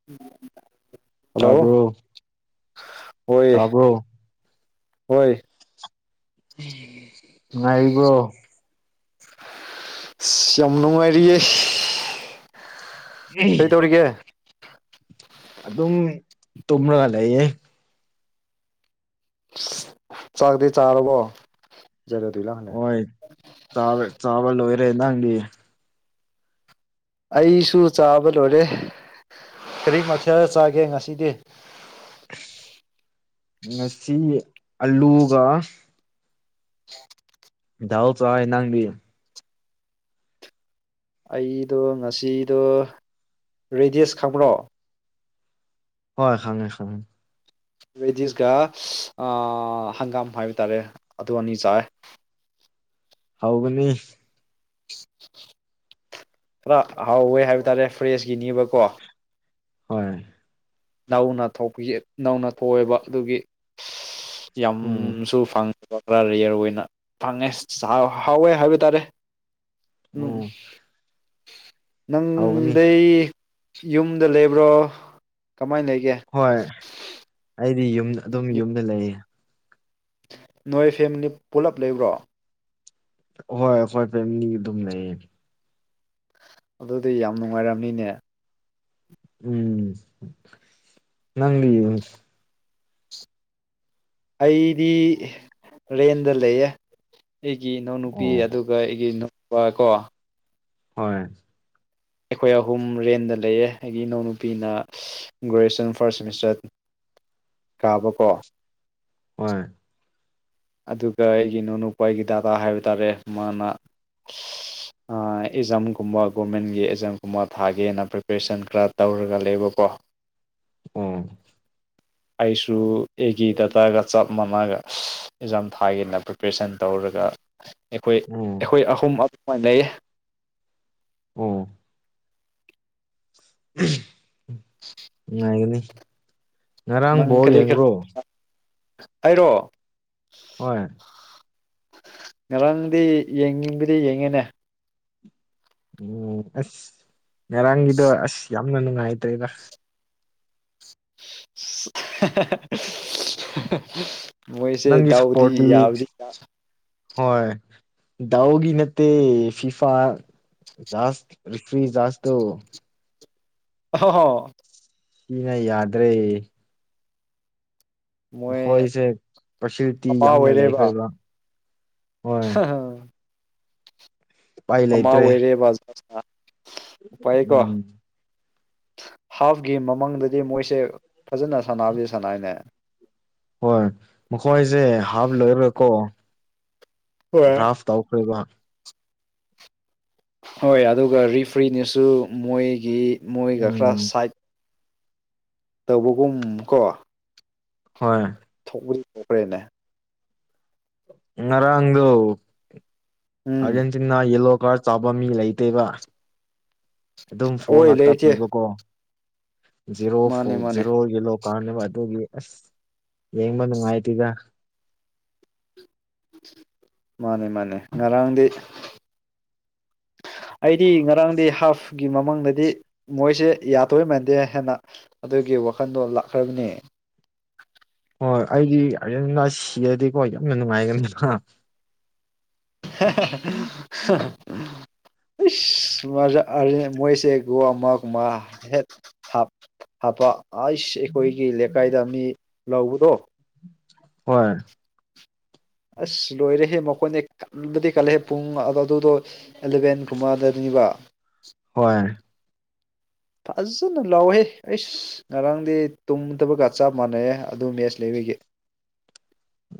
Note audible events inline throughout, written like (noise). (unintelligible) Hello ꯇꯥꯕꯔꯣ ꯍꯣꯏ ꯇꯥꯕꯔꯣ ꯍꯣꯏ ꯉꯥꯏꯔꯤꯕ꯭ꯔꯣ ꯌꯥꯝ ꯅꯨꯃꯔꯤꯌꯦ ꯀꯔꯤ ꯇꯧꯔꯤꯒꯦ ꯑꯗꯨꯝ ꯇꯨꯝꯂꯒ ꯂꯩꯌꯦꯦ ꯆꯥꯛꯇꯤ ꯆꯥꯔꯕꯣ (unintelligible) ꯍꯣꯏ ꯆꯥꯕ ꯂꯣꯏꯔꯦ ꯅꯪꯗꯤ ꯑꯩꯁꯨ ꯆꯥꯕ ꯂꯣꯏꯔꯦ ꯀꯔꯤꯛ ꯃꯊꯦꯜ ꯆꯥꯒꯦ ꯉꯁꯤꯗꯤ ꯉꯁꯤ ꯑꯂꯨꯒ ꯗꯥꯎ ꯆ ꯅꯪꯂꯤ ꯑꯩꯗꯣ ꯉꯁꯤꯗꯣ ꯔꯦꯗꯤꯁ ꯈꯪꯕ꯭ꯔꯣ ꯍꯣꯏ ꯈꯉꯦ ꯈꯉꯦ ꯔꯦꯗꯤꯁꯀ ꯍꯪꯒꯥꯝ ꯍꯥꯏꯕ ꯇꯥꯔꯦ ꯑꯗꯨ ꯑꯅꯤ ꯆꯥꯏ ꯍꯧꯒꯅꯤ ꯈꯔ ꯍꯥꯎꯋꯦ ꯍꯥꯏꯕ ꯇꯥꯔꯦ ꯐ꯭ꯔꯦꯁꯀꯤꯅꯦꯕꯀꯣ ꯍꯣꯏ ꯅꯧꯅ ꯅꯧꯅ ꯊꯣꯛꯑꯦꯕ ꯑꯗꯨꯒꯤ ꯎꯝ ꯌꯥꯝꯁꯨ ꯐꯪꯉꯤ ꯕꯔꯤꯌꯔ ꯑꯣꯏꯅ ꯐꯪꯉꯦ ꯍꯥꯎꯋꯦ ꯍꯥꯏꯕ ꯇꯥꯔꯦ ꯎꯝ ꯍꯥꯎꯒꯅꯤ ꯅꯪꯗꯩ ꯌꯨꯝꯗ ꯂꯩꯕ꯭ꯔꯣ ꯀꯃꯥꯏꯅ ꯂꯩꯒꯦ ꯍꯣꯏ ꯑꯩꯗꯤ ꯌꯨꯝ ꯑꯗꯨꯝ ꯌꯨꯝꯗ ꯂꯩꯌꯦ ꯅꯣꯏ ꯐꯦꯝꯃꯤꯂꯤ ꯄꯨꯂꯞ ꯂꯩꯕ꯭ꯔꯣ ꯍꯣꯏ ꯍꯣꯏ ꯐꯦꯃꯤꯅꯤ ꯑꯗꯨꯝ ꯂꯩꯌꯦ ꯑꯗꯨꯗꯤ ꯌꯥꯝ ꯅꯨꯡꯉꯥꯏꯔꯝꯅꯤꯅꯦ ꯎꯝ ꯅꯪꯗꯤ ꯑꯩꯗꯤ ꯔꯦꯟꯗ ꯂꯩꯌꯦ ꯑꯩꯒꯤ ꯏꯅꯥꯎꯅꯨꯄꯤ ꯑꯣ ꯑꯗꯨꯒ ꯑꯗꯨꯒ ꯑꯩꯒꯤ ꯅꯨꯄꯥ ꯀꯣ ꯍꯣꯏ ꯑꯩꯈꯣꯏ ꯑꯍꯨꯝ ꯔꯦꯟꯗ ꯂꯩꯌꯦ ꯑꯩꯒꯤ ꯏꯅꯥꯎ ꯅꯨꯨꯄꯤꯅ ꯒ꯭ꯔꯦꯖꯨꯑꯦꯁꯟ ꯐꯥꯔꯁ ꯁꯦꯃꯤꯁꯇꯔ ꯇꯥꯕꯥꯕꯀꯣ ꯍꯣꯏ ꯑꯗꯨꯒ ꯑꯩꯒꯤ ꯏꯅꯥꯎꯅꯨꯄꯥ ꯑꯩꯒꯤ ꯗꯥꯗꯥ ꯍꯥꯏꯕ ꯇꯥꯔꯦ ꯃꯥꯅ (unintelligible) ꯑꯦꯛꯖꯥꯝꯒꯨꯝꯕ ꯒꯣꯔꯃꯦꯟꯒꯤ ꯑꯦꯛꯖꯥꯝꯒꯨꯝꯕ ꯊꯥꯒꯦꯅ ꯄ꯭ꯔꯤꯄꯦꯔꯦꯁꯟ ꯈꯔ ꯇꯧꯔꯒ ꯂꯩꯕꯀꯣ ꯎꯝ ꯑꯩꯁꯨ ꯑꯩꯒꯤ ꯗꯥꯗꯥꯒ ꯆꯞ ꯃꯃꯥꯒ ꯑꯦꯛꯖꯥꯝ ꯊꯥꯒꯦꯅ ꯄ꯭ꯔꯤꯄꯦꯔꯦꯁꯟ ꯇꯧꯔꯒ ꯑꯩꯈꯣꯏ ꯑꯣ ꯑꯩꯈꯣꯏ ꯑꯍꯨꯝ ꯑꯃ ꯂꯩ ꯑꯣ (unintelligible) ꯉꯔꯥꯡ ꯅꯪ ꯕꯣꯜ ꯀꯔꯤ ꯀꯔꯤ ꯌꯦꯡꯕ꯭ꯔꯣ ꯍꯥꯏꯔꯣ ꯍꯣꯏ ꯉꯔꯥꯡꯗꯤ ꯌꯦꯡꯅꯤꯡꯕꯗꯤ ꯌꯦꯡꯉꯤꯅꯦ ꯎꯝ ꯑꯁ ꯉꯔꯥꯡꯒꯤꯗꯣ ꯑꯁ ꯌꯥꯝꯅ ꯅꯨꯡꯉꯥꯏꯇ꯭ꯔꯦꯕ ꯃꯣꯏꯁꯦ ꯅꯪꯒꯤ ꯗꯎꯗꯤ ꯁꯞꯄꯣꯔꯠꯇꯤ ꯌꯥꯕꯗꯤ ꯌꯥ ꯍꯣꯏ ꯗꯎꯒꯤ ꯅꯠꯇꯦ ꯐꯤꯐꯥ (unintelligible) ꯍꯣ ꯍꯣ ꯁꯤ ꯅ ꯌꯥꯗ꯭ꯔꯦ ꯃꯣꯏ ꯃꯈꯣꯏꯁꯦ ꯐꯦꯁꯤꯂꯤꯇꯤ ꯑꯃ ꯌꯥꯝꯅ ꯑꯣꯏꯔꯦꯕ ꯂꯩꯈ꯭ꯔꯦꯕ ꯍꯣꯏ (unintelligible) ꯎꯄꯥꯏ ꯑꯃ ꯂꯩꯇ꯭ꯔꯦ ꯑꯣꯏꯔꯦ ꯕꯖꯥꯔ ꯎꯄꯥꯏꯀꯣ ꯎꯝ ꯍꯥꯐꯀꯤ ꯃꯃꯥꯡꯗꯗꯤ ꯃꯣꯏꯁꯦ ꯐꯖꯅ ꯁꯥꯟꯅꯕꯁꯦ ꯁꯥꯟꯅꯩꯅꯦ ꯍꯣꯏ ꯃꯈꯣꯏꯁꯦ ꯍꯥꯐ ꯂꯣꯏꯔꯒꯀꯣ ꯍꯣꯏ ꯍꯥꯐ ꯇꯧꯈ꯭ꯔꯤꯕ ꯍꯣꯏ ꯑꯗꯨꯒ ꯔꯤꯐ꯭ꯔꯤꯅꯁꯨ ꯃꯣꯏꯒꯤ ꯃꯣꯏꯒ ꯈꯔ ꯎꯝ ꯁꯥꯏꯠ ꯇꯧꯕꯒꯨꯝ ꯀꯣ ꯍꯣꯏ ꯊꯣꯛꯄꯗꯤ ꯊꯣꯛꯈ꯭ꯔꯦꯅꯦ ꯉꯔꯥꯡꯗꯨ ꯎꯝ ꯑꯥꯔꯖꯦꯟꯇꯤꯅꯥ ꯌꯦꯜꯂꯣ ꯀꯥꯔ ꯆꯥꯕ ꯃꯤ ꯂꯩꯇꯦꯕ ꯑꯗꯨꯝ ꯐꯣꯜ ꯑꯣꯏ ꯉꯥꯛꯇ ꯂꯩꯔꯤꯛꯁꯦ ꯄꯤꯕꯀꯣ ꯖꯦꯔꯣ ꯃꯥꯅꯦ ꯐꯣꯜ ꯃꯥꯅꯦ ꯖꯦꯔꯣ ꯌꯦꯂꯣ ꯀꯥꯎꯅꯦꯅꯕ ꯑꯗꯨꯒꯤ ꯑꯁ ꯌꯦꯡꯕ ꯅꯨꯡꯉꯥꯏꯇꯗ ꯃꯥꯅꯦ ꯃꯥꯅꯦ ꯉꯔꯥꯡꯗꯤ ꯑꯩꯗꯤ ꯉꯔꯥꯡꯗꯤ ꯍꯥꯐꯀꯤ ꯃꯃꯥꯡꯗꯗꯤ ꯃꯣꯏꯁꯦ ꯌꯥꯗꯣꯏ ꯃꯥꯟꯗꯦ ꯍꯥꯏꯅ ꯑꯗꯨꯒꯤ ꯋꯥꯈꯟꯗꯣ ꯂꯥꯛꯈ꯭ꯔꯕꯅꯦ ꯍꯣꯏ ꯑꯩꯗꯤ ꯁꯤꯔꯗꯤꯀꯣ ꯌꯥꯝꯅ ꯅꯨꯡꯉꯥꯏꯒꯅꯤꯅ (unintelligible) ꯏꯁ ꯃꯣꯏꯁꯦꯒꯣ ꯑꯃꯛ ꯃꯥ ꯍꯦ ꯍꯥꯞ ꯍꯥꯞꯄ ꯑꯩꯁ ꯑꯩꯈꯣꯏꯒꯤ ꯂꯩꯀꯥꯏꯗ ꯃꯤ ꯂꯧꯕꯗꯣ ꯍꯣꯏ ꯑꯁ ꯂꯣꯏꯔꯦꯍꯦ ꯃꯈꯣꯏꯅꯦ ꯀꯟꯕꯗꯤ ꯀꯜꯂꯑꯦ ꯄꯨꯡ ꯑꯗꯨꯗꯣ ꯑꯦꯂꯕꯦꯟ ꯀꯨꯝꯕꯗꯕ ꯍꯣꯏ ꯐꯖꯅ ꯂꯥꯎꯍꯦ ꯑꯩꯁ ꯉꯔꯥꯡꯗꯤ ꯇꯨꯝ ꯊꯕꯛꯀ ꯆꯞ ꯃꯥꯟꯅꯩꯦ ꯑꯗꯨ ꯃꯦꯁ ꯂꯩꯕꯒꯤ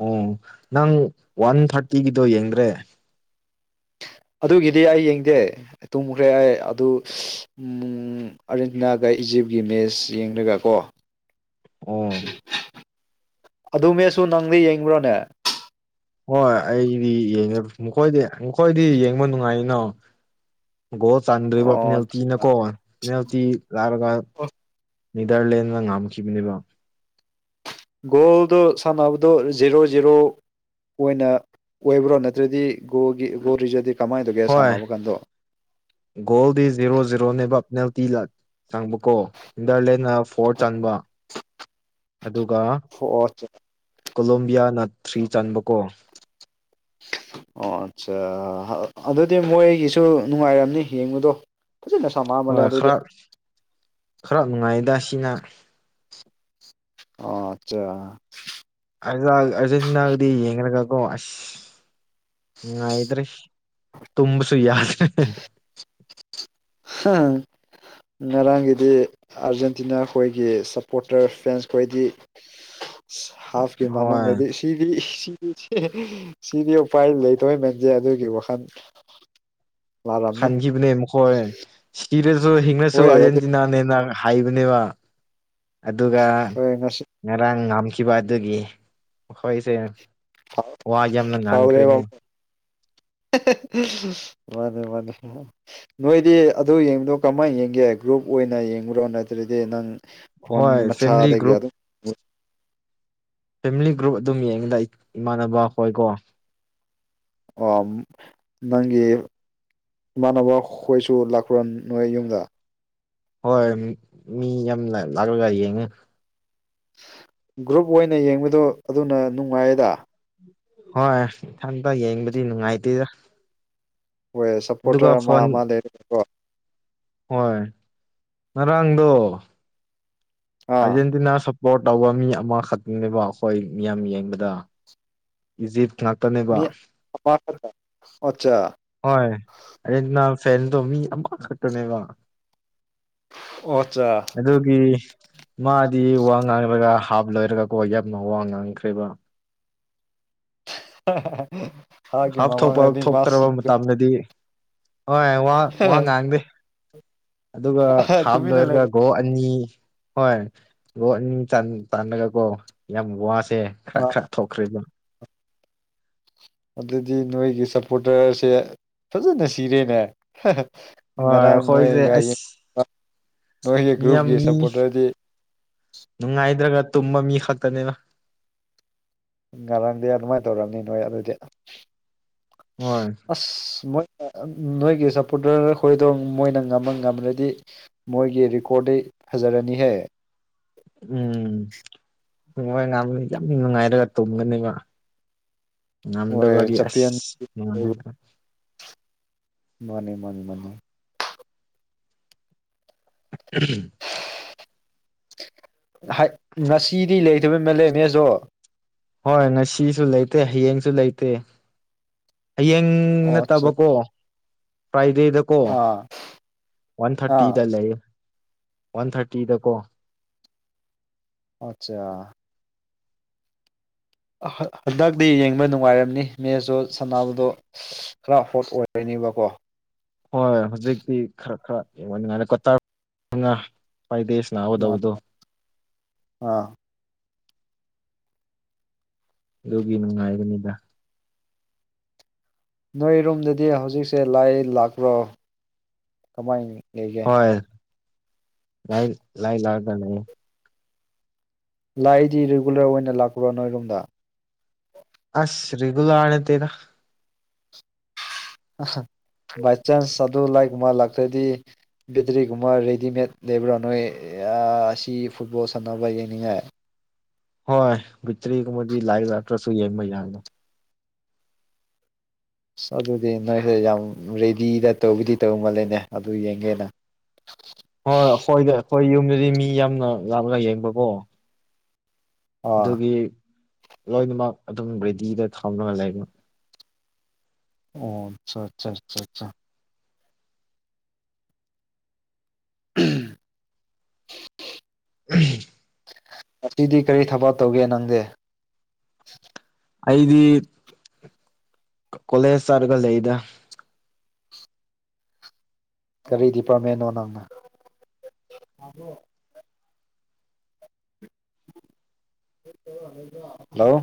ꯑꯣ ꯅꯪ ꯋꯥꯟ ꯊꯥꯔꯇꯤꯒꯤꯗꯣ ꯌꯦꯡꯗ꯭ꯔꯦ ꯑꯗꯨꯒꯤꯗꯤ ꯑꯩ ꯌꯦꯡꯗꯦ ꯇꯨꯝꯈ꯭ꯔꯦ ꯑꯩ ꯑꯗꯨ ꯑꯥꯔꯖꯦꯟꯇꯤꯅꯥꯒ ꯏꯖꯤꯞꯀꯤ ꯃꯦꯁ ꯌꯦꯡꯒ ꯀꯣ ꯑꯣ ꯑꯗꯨꯃꯦꯁꯨ ꯅꯪꯗꯤ ꯌꯦꯡꯕ꯭ꯔꯣꯅꯦ ꯍꯣꯏ ꯑꯩꯗꯤ ꯌꯦꯡꯉꯦ ꯃꯈꯣꯏꯗꯤ ꯃꯈꯣꯏꯗꯤ ꯌꯦꯡꯕ ꯅꯨꯡꯉꯥꯏꯅꯣ ꯒꯣ ꯆꯥꯟꯗꯔꯤꯕ ꯑꯄꯤꯅ ꯑꯣ ꯇꯤ ꯅꯀꯣ ꯑ ꯇꯤ ꯂꯥꯔꯒ ꯅꯤꯗꯔꯂꯦꯟꯗ ꯉꯝꯈꯤꯕꯅꯤꯕ ꯒꯣꯜꯗꯣ ꯁꯥꯟꯅꯕꯗꯣ ꯖꯦꯔꯣ ꯖꯦꯔꯣ ꯑꯣꯏꯅ ꯑꯣꯏꯕ꯭ꯔꯣ ꯅꯠꯇ꯭ꯔꯗꯤ ꯒꯣꯒꯤ ꯒꯣꯔꯤꯖꯗꯤ ꯀꯃꯥꯏꯅ ꯇꯧꯒꯦ ꯁꯥꯟꯅꯕ ꯀꯥꯟꯗꯣ ꯒꯣꯜ ꯗ ꯖꯤꯔꯣ ꯖꯤꯔꯣꯅꯦꯕ ꯄꯦꯅꯥꯜꯇꯤ ꯂꯥꯛ ꯆꯪꯕꯀꯣ ꯏꯟꯗꯔꯂꯦꯅ ꯐꯣꯔꯠ ꯆꯪꯕ ꯑꯗꯨꯒ (unintelligible) ꯀꯣꯂꯣꯝꯕꯤꯌꯥꯅ ꯊ꯭ꯔꯤ ꯆꯟꯕ ꯀꯣ ꯑꯣ ꯑꯠꯆꯥ ꯑꯗꯨꯗꯤ ꯃꯣꯏꯒꯤꯁꯨ ꯅꯨꯡꯉꯥꯏꯔꯝꯅꯤ ꯌꯦꯡꯕꯗꯣ (unintelligible) ꯍꯣꯏ ꯈꯔ ꯈꯔ ꯅꯨꯡꯉꯥꯏꯗ ꯁꯤꯅ ꯑꯣ ꯑꯆꯥ (unintelligible) (unintelligible) (unintelligible) ꯉꯔꯥꯡꯒꯤꯗꯤ ꯑꯥꯔꯖꯦꯟꯇꯤꯅꯥ ꯈꯣꯏꯒꯤ ꯁꯞꯄꯣꯔꯇꯔ ꯐꯦꯟꯁ ꯈꯣꯏꯗꯤ (inaudible) ꯍꯥꯐꯀꯤ ꯃꯃꯥꯡ ꯍꯣꯏ ꯅꯗꯤ ꯁꯤꯗꯤ ꯁꯤ ꯁꯤꯗꯤ ꯎꯄꯥꯏ ꯂꯩꯇꯧꯃꯦꯟꯁꯦ ꯑꯗꯨꯒꯤ ꯋꯥꯈꯜ (unintelligible) ꯂꯥꯛꯔꯝꯅꯤ ꯈꯥꯟꯈꯤꯕꯅꯦ ꯃꯈꯣꯏ ꯁꯤꯔꯁꯨ ꯍꯤꯡꯉꯁꯨ ꯍꯣꯏ ꯑꯗꯨ ꯑꯥꯔꯖꯦꯟꯇꯤꯅꯥꯅꯦꯅ ꯍꯥꯏꯕꯅꯦꯕ ꯑꯗꯨꯒ ꯍꯣꯏ ꯉꯁꯤ ꯉꯔꯥꯡ ꯉꯝꯈꯤꯕ ꯑꯗꯨꯒꯤ ꯍꯣꯏꯁꯦ ꯐꯥꯎ ꯐꯥꯎꯔꯦ ꯃꯥꯅꯤ ꯃꯥꯅꯤ ꯅꯣꯏꯗꯤ ꯑꯗꯨ ꯌꯦꯡꯕꯗꯣ ꯀꯃꯥꯏꯅ ꯌꯦꯡꯒꯦ ꯒ꯭ꯔꯨꯞ ꯑꯣꯏꯅ ꯌꯦꯡꯕ꯭ꯔꯣ ꯅꯠꯇ꯭ꯔꯗꯤ ꯅꯪ ꯐꯣꯟ ꯍꯣꯏ ꯐꯦꯃꯤꯂꯤ ꯃꯆꯥꯗꯒ ꯒ꯭ꯔꯨꯞ ꯑꯗꯨ ꯐꯦꯃꯤꯂꯤ ꯒ꯭ꯔꯨꯞ ꯑꯗꯨꯝ ꯌꯦꯡꯉꯤꯗ ꯑꯩ ꯏꯃꯥꯟꯅꯕ ꯍꯣꯏꯀꯣ ꯑ ꯅꯪꯒꯤ ꯏꯃꯥꯟꯅꯕ ꯈꯣꯏꯁꯨ ꯂꯥꯛꯄꯔ ꯅꯣꯏ ꯌꯨꯝꯗ ꯍꯣꯏ ꯃꯤ ꯌꯥꯝ ꯂꯥꯛꯂꯒ ꯌꯦꯡꯉꯦ ꯒ꯭ꯔꯨꯞ ꯑꯣꯏꯅ ꯌꯦꯡꯕꯗꯣ ꯑꯗꯨꯅ ꯅꯨꯡꯉꯥꯏꯌꯦꯗ ꯍꯣꯏ ꯏꯊꯟꯇ ꯌꯦꯡꯕꯗꯤ ꯅꯨꯡꯉꯥꯏꯇꯦꯗ ꯍꯣꯏ ꯁꯞꯄꯣꯔꯇꯔ ꯑꯃ ꯐꯣꯟ ꯑꯃ ꯂꯩꯔꯀꯣ ꯍꯣꯏ ꯉꯔꯥꯡꯗꯣ ꯑꯥ ꯑꯥꯔꯖꯦꯟꯇꯤꯅꯥ ꯁꯄꯣꯔꯠ ꯇꯧꯕ ꯃꯤ ꯑꯃꯈꯛꯇꯅꯦꯕ ꯑꯩꯈꯣꯏ ꯃꯤꯌꯥꯝ ꯌꯦꯡꯕꯗ ꯏꯖꯤꯞ ꯉꯥꯛꯇꯅꯦꯕ ꯃꯤ ꯑꯃꯈꯛꯇ ꯑꯣꯆꯥ ꯍꯣꯏ ꯑꯔꯖꯦꯟꯇꯤꯅꯥ ꯐꯦꯟꯗꯣ ꯃꯤ ꯑꯃꯈꯛꯇꯅꯦꯕ ꯑꯣꯆꯥ ꯑꯗꯨꯒꯤ ꯃꯥꯗꯤ ꯋꯥ ꯉꯥꯡꯔꯒ ꯍꯥꯞ ꯂꯣꯏꯔꯒꯀꯣ ꯌꯥꯝꯅ ꯋꯥ ꯉꯥꯡꯈ꯭ꯔꯦꯕ ꯑ ꯍꯥ ꯍꯥ ꯍꯥꯞꯊꯣꯛꯄ ꯊꯣꯛꯇ꯭ꯔꯕ ꯃꯇꯝꯗꯗꯤ ꯍꯣꯏ ꯋꯥ ꯋꯥ ꯉꯥꯡꯗꯦ ꯑꯗꯨꯒ ꯍꯥꯞ ꯇꯨꯃꯤꯟꯅ ꯂꯣꯏꯔꯒ ꯂꯩꯔꯦ ꯒꯣꯜ ꯑꯅꯤ ꯍꯣꯏ ꯒꯣꯜ ꯑꯅꯤ ꯆꯟꯕꯗꯀꯣ ꯌꯥꯝ ꯋꯥꯁꯦ ꯈꯔ ꯑꯥ ꯈꯔ ꯊꯣꯛꯈ꯭ꯔꯦꯕ ꯑꯗꯨꯗꯤ ꯅꯣꯏꯒꯤ ꯁꯞꯄꯣꯔꯇꯔꯁꯦ ꯐꯖꯅ ꯁꯤꯔꯦꯅꯦ ꯍꯣꯏ ꯉꯔꯥꯡ ꯑꯩꯈꯣꯏꯁꯦ ꯅꯣꯏꯒ ꯌꯦ ꯑꯁ ꯅꯣꯏꯒꯤ ꯃꯤ ꯌꯥꯝ ꯒ꯭ꯔꯨꯞꯀꯤ ꯃꯤ ꯁꯞꯄꯣꯔꯇꯔꯗꯤ ꯅꯨꯡꯉꯥꯏꯗ꯭ꯔꯒ ꯇꯨꯝꯕ ꯃꯤ ꯈꯛꯇꯅꯦꯅ ꯉꯔꯥꯡꯗꯤ ꯑꯗꯨꯃꯥꯏꯅ ꯇꯧꯔꯝꯅꯤ ꯅꯣꯏ ꯑꯗꯨꯗꯤ ꯍꯣꯏ ꯑꯁ ꯃꯣꯏ ꯅꯣꯏꯒꯤ ꯁꯞꯄꯣꯔꯇꯔ ꯑꯩꯈꯣꯏꯗꯣ ꯃꯣꯏꯅ ꯉꯝꯃ ꯉꯝꯃ꯭ꯔꯗꯤ ꯃꯣꯏꯒꯤ ꯔꯦꯀꯣꯔꯠꯇꯤ ꯐꯖꯔꯅꯤꯍꯦ ꯎꯝ ꯍꯣꯏ ꯉꯥꯡꯕꯅꯤ ꯌꯥꯝ ꯅꯨꯡꯉꯥꯏꯔꯒ ꯇꯨꯝꯒꯅꯦꯕ ꯃꯣꯏ ꯉꯗꯕꯒꯤ ꯆꯝꯄꯤꯌꯟ ꯑꯁ ꯃꯥꯅꯤ ꯃꯥꯅꯤ ꯃꯥꯅꯤ ꯎꯝ ꯉꯁꯤꯗꯤ ꯂꯩꯇꯕ ꯃꯥꯜꯂꯦꯅꯦ ꯍꯣꯏ ꯉꯁꯤꯁꯨ ꯂꯩꯇꯦ ꯍꯌꯦꯡꯁꯨ ꯂꯩꯇꯦ ꯍꯌꯦꯡ ꯑꯣ ꯑꯠꯆꯥ ꯅꯠꯇꯕꯀꯣ ꯐ꯭ꯔꯥꯏꯗꯦꯗ ꯀꯣ ꯑꯥ ꯋꯥꯟ ꯑꯥ ꯊꯥꯔꯇꯤꯗ ꯂꯩ ꯋꯥꯟ ꯊꯥꯔꯇꯤꯗ ꯀꯣ ꯑꯆꯥ ꯍꯟꯗꯛꯇꯤ ꯌꯦꯡꯕ ꯅꯨꯡꯉꯥꯏꯔꯝꯅꯤ ꯃꯦꯁꯇꯨ ꯁꯥꯟꯅꯕꯗꯣ ꯈꯔ ꯍꯣꯠ ꯑꯣꯏꯔꯅꯦꯕꯀꯣ ꯍꯣꯏꯣꯏ ꯍꯧꯖꯤꯛꯇꯤ ꯈꯔ ꯈꯔꯡ ꯉꯥꯏ ꯃꯥ ꯑꯥ ꯑꯗꯨꯒꯤ ꯅꯨꯡꯉꯥꯏꯕꯅꯤꯗ ꯅꯣꯏꯔꯣꯝꯝꯗꯗꯤ ꯍꯧꯖꯤꯛꯁꯦ ꯂꯥꯏ ꯂꯥꯛꯄ꯭ꯔꯣ ꯀꯃꯥꯏꯅ ꯂꯩꯒꯦ ꯍꯣꯏ ꯂꯥꯏ ꯂꯥꯏ ꯂꯥꯛꯑꯒ ꯂꯩꯌꯦ ꯂꯥꯏꯗꯤ ꯔꯤꯒꯨꯂꯔ ꯑꯣꯏꯅ ꯂꯥꯛꯄ꯭ꯔꯣ ꯅꯣꯏꯔꯣꯝꯗ ꯑꯁ ꯔꯤꯒꯨꯂꯔ ꯅꯠꯇꯦꯗ ꯕꯥꯏ ꯆꯥꯟꯁ ꯁꯥ ꯑꯗꯨ ꯂꯥꯏꯒꯨꯝꯕ ꯂꯥꯛꯇ꯭ꯔꯗꯤ ꯕꯦꯇ꯭ꯔꯤꯒꯨꯝꯕ ꯔꯦꯗꯤꯃꯦꯗ ꯂꯩꯕ꯭ꯔꯥ ꯅꯣꯏ ꯑꯁꯤ ꯐꯨꯠꯕꯣꯜ ꯁꯥꯟꯅꯕ ꯌꯦꯡꯅꯤꯡꯉꯥꯏ ꯍꯣꯏ ꯤꯇ꯭ꯔꯤ ꯀ ꯃ ꯂꯥꯏ ꯌꯥꯇ꯭ꯔꯁꯨ ꯌꯦ ꯌꯥꯗꯣ ꯑꯁ ꯑꯗꯨꯗꯤ ꯅꯣꯏꯁꯦ ꯌꯥꯝ ꯔꯦꯗꯤꯗ ꯇꯧꯕꯗꯤ ꯇꯧ ꯃꯥꯜꯂꯦꯅꯦ ꯑꯗꯨ ꯌꯦꯡꯒꯦꯅ ꯍꯣꯏ ꯑꯩꯈꯣꯏꯗ ꯑꯩꯈꯣꯏ ꯌꯨꯝꯗꯗꯤ ꯃꯤ ꯌꯥꯝꯅ ꯂꯥꯛꯜꯂꯒ ꯌꯦꯡꯕꯀꯣ ꯑꯥ ꯑꯗꯨꯒꯤ ꯂꯣꯏꯅꯃꯛ ꯑꯗꯨꯝ ꯔꯦꯗꯤꯗ ꯊꯝꯒ ꯂꯩꯕ ꯑꯣ ꯑꯆꯥ ꯑꯆꯥ ꯑꯆꯥ ꯑꯆꯥ ꯎꯝ ꯎꯝ (inaudible) ꯉꯁꯤꯗꯤ ꯀꯔꯤ ꯊꯕꯛ ꯇꯧꯒꯦ ꯅꯪꯗꯤꯦ ꯑꯩꯗꯤ ꯀꯣꯂꯦꯖ ꯆꯠꯔꯒ ꯂꯩꯗ ꯀꯔꯤ ꯗꯤꯄꯥꯔꯠꯃꯦꯟꯅꯣ ꯅꯪꯅ ꯍꯜꯂꯣ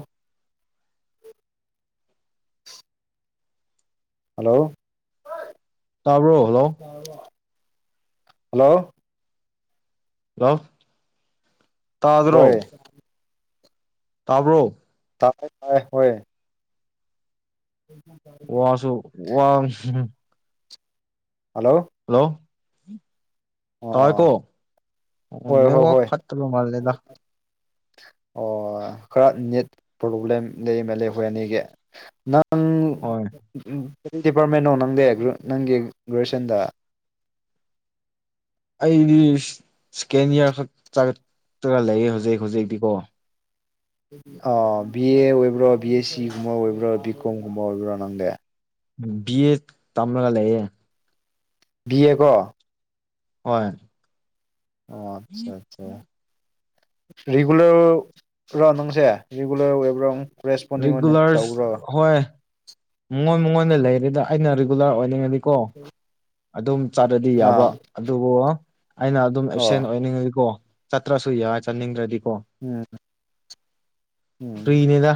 ꯍꯜꯂꯣ ꯇꯥꯕ꯭ꯔꯣ ꯍꯜꯂꯣ ꯍꯜꯂꯣ (unintelligible) ꯍꯣꯏ ꯇꯥꯕ꯭ꯔꯣ ꯇꯥꯏ ꯇꯥꯏ ꯍ ꯎꯝ ꯋꯥꯁꯨ ꯋꯥ ꯍꯜꯂꯣ ꯍꯜꯂꯣ ꯇꯥꯏꯀꯣ ꯑꯣ ꯍꯣꯏ ꯍꯣꯏ ꯅꯦꯠꯋꯥꯛ ꯍꯣꯏ ꯐꯠꯇꯕ ꯃꯥꯜꯂꯦꯗ ꯑꯣ ꯈꯔ ꯅꯦꯠ ꯄ꯭ꯔꯣꯕ꯭ꯂꯦꯝ ꯂꯩꯃ ꯂꯩ ꯍꯣꯏ ꯑꯅꯤꯒꯤ ꯅꯪ ꯍꯣꯏ ꯎ ꯀ ꯗꯤꯄꯥꯔꯠꯃꯦꯟꯅꯣ ꯅꯪꯗ ꯅꯪꯒꯤ ꯒ꯭ꯔꯦꯖꯨꯋꯦꯁꯟꯗ ꯑꯩꯗꯤ ꯁꯦꯀꯦꯟ ꯏꯌꯥꯔ ꯈꯛ ꯆꯥꯒꯂꯒ ꯂꯩꯌꯦ ꯍꯧꯖꯤꯛ ꯍꯧꯖꯤꯛꯇꯤꯀꯣ ꯑ ꯕꯤ ꯑꯦ ꯑꯣꯏꯕ꯭ꯔꯣ ꯕꯤ ꯑꯦꯁ ꯁꯤꯒꯨꯝꯕ ꯑꯣꯏꯕ꯭ꯔꯣ ꯕꯤ ꯀꯣꯝꯒꯨꯝꯕ ꯑꯣꯏꯕ꯭ꯔꯣ ꯅꯪꯗꯦ ꯤ ꯑꯦ ꯇꯝꯂꯒ ꯂꯩꯌꯦꯦ ꯕꯤꯌꯦꯒꯣ ꯍꯣꯏ ꯑꯣ ꯑꯠꯆꯥ ꯑꯠꯆꯥ ꯔꯤꯒꯨꯂꯔ ꯔꯥꯎ ꯅꯪꯁꯦ ꯔꯤꯒꯨꯂꯔ ꯑꯣꯏꯋꯕ꯭ꯔꯥ ꯔꯤꯒꯨꯂꯔ ꯍꯣꯏ ꯃꯉꯣꯟ ꯃꯉꯣꯟꯗ ꯂꯩꯔꯦꯗ ꯑꯩꯅ ꯔꯤꯒꯨꯂꯔ ꯑꯣꯏꯅꯤꯡꯉꯗꯤꯀꯣ ꯑꯗꯨꯝ ꯆꯥꯔꯗꯤ ꯌꯥꯕ ꯑꯥ ꯑꯗꯨꯕꯨ ꯑꯩꯅ ꯑꯗꯨꯝ ꯑꯦꯞꯁꯦꯟ ꯑꯣ ꯑꯣꯏꯅꯤꯡꯉꯒꯤꯀꯣ ꯆꯠꯇ꯭ꯔꯁꯨ ꯌꯥꯏ ꯆꯠꯅꯤꯡꯗ꯭ꯔꯗꯤꯀꯣ ꯎꯝ ꯎꯝ ꯄꯔꯤꯅꯦꯗ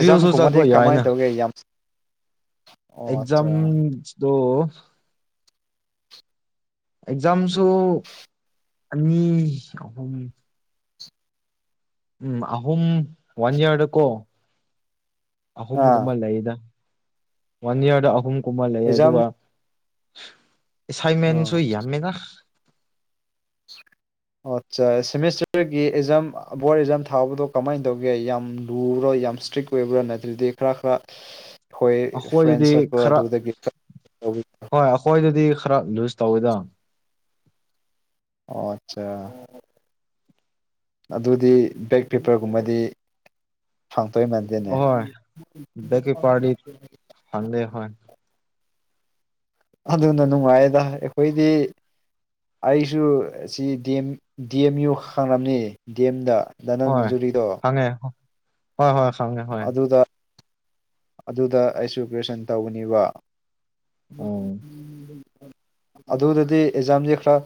ꯐꯖꯝ ꯆꯠꯄ ꯀꯨꯝꯃꯗꯤ ꯌꯥꯏꯅ ꯀꯃꯥꯏꯅ ꯇꯧꯒꯦ ꯌꯥꯝ ꯑꯣ ꯑꯠꯆꯥ ꯑꯦꯛꯖꯝꯗꯣ ꯑꯦꯛꯖꯥꯝꯁꯨ ꯑꯅꯤ ꯑꯍꯨꯝ ꯎꯝ ꯑꯍꯨꯝ ꯋꯥꯟ ꯏꯌꯥꯔꯗꯀꯣ ꯑꯥ ꯑꯍꯨꯝꯒꯨꯝꯕ ꯂꯩꯗ ꯋꯥꯟ ꯏꯌꯥꯔꯗ ꯑꯍꯨꯝꯒꯨꯝꯕ ꯂꯩ ꯑꯦꯛꯖꯥꯝ ꯑꯗꯨꯒ ꯁꯥꯏ ꯃꯦꯟꯁꯨ ꯌꯥꯝꯃꯦꯅ (inaudible) ꯑꯣ ꯑꯠꯆꯥ ꯁꯦꯃꯤꯁꯇꯔꯒꯤ ꯑꯦꯛꯖꯥꯝ ꯕꯣꯔꯗ ꯑꯦꯛꯖꯥꯝ ꯊꯥꯕꯗꯣ ꯀꯃꯥꯏꯅ ꯇꯧꯒꯦ ꯌꯥꯝ ꯂꯨꯔꯣꯏ ꯌꯥꯝ ꯏꯁꯇ꯭ꯔꯤꯛ ꯀꯣꯏꯕ꯭ꯔꯥ ꯅꯠꯇ꯭ꯗꯤ ꯈꯔ ꯈꯔ (unintelligible) ꯍꯣꯏ ꯐ꯭ꯔꯦꯟ ꯑꯩꯈꯣꯏꯗꯗꯤ ꯁꯔꯀꯜ ꯈꯔ ꯑꯗꯨꯗꯒꯤ ꯍꯣꯏ ꯑꯩꯈꯣꯏꯗꯗꯤ ꯈꯔ ꯂꯨꯖ ꯇꯧꯋꯦꯗ ꯑꯣ ꯑꯆꯥ꯫ ꯑꯗꯨꯗꯤ ꯕꯦꯛ ꯄꯦꯄꯔꯒꯨꯝꯕꯗꯤ ꯍꯥꯡꯇꯣꯏꯃꯟ ꯍꯣꯏ ꯕꯦꯛ ꯄꯦꯑꯥꯔꯗꯤ ꯐꯪꯗꯦ ꯍꫭꯏ꯫ ꯑꯗꯨꯅ ꯅꯨꯡꯉꯥꯏꯗ ꯑꯩꯈꯣꯏꯗꯤ ꯑꯩꯁꯨ ꯑꯁꯤ D M D M U ꯈꯪꯂꯝꯅꯤ ꯗꯤꯑꯦꯝꯗꯥ ꯗꯥꯅꯟꯅꯖꯨꯔꯤꯗꯣ꯫ ꯈꯪꯉꯦꯍꫭ ꯍꯣꯏ-ꯍꯣꯏ ꯈꯪꯉꯦ꯫ ꯑꯗꯨꯗ ꯑꯗꯨꯗ ꯑꯩꯁꯨ ꯒ꯭ꯔꯦꯁꯟ ꯇꯧꯒꯅꯤꯕ꯫ ꯎꯝ (inaudible) ꯑꯗꯨꯗꯗꯤ ꯑꯦꯛꯖꯥꯝꯁꯦ ꯈꯔ